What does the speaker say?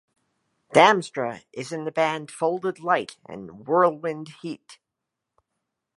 Damstra is in the band Folded Light and Whirlwind Heat.